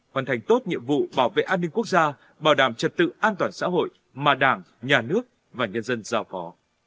hoàn thành tốt nhiệm vụ bảo vệ an ninh quốc gia bảo đảm trật tự an toàn xã hội mà đảng nhà nước và nhân dân giao phó